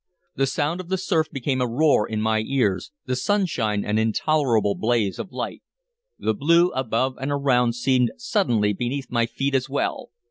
The sound of the surf became a roar in my ears, the sunshine an intolerable blaze of light; the blue above and around seemed suddenly beneath my feet as well.